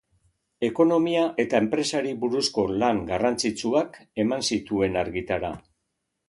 Ekonomia eta enpresari buruzko lan garrantzitsuak eman zituen argitara.